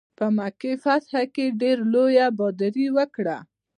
په مکې فتح کې ډېره لویه بهادري وکړه.